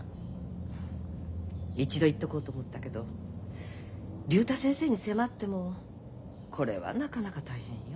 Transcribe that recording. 一度言っとこうと思ったけど竜太先生に迫ってもこれはなかなか大変よ。